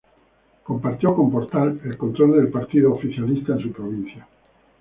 Compartió con Portal el control del partido oficialista en su provincia.